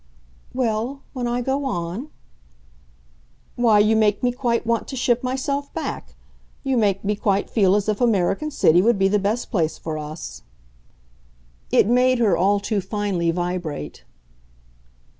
"Well, when I go on ?" "Why, you make me quite want to ship back myself. You make me quite feel as if American City would be the best place for us." It made her all too finely vibrate.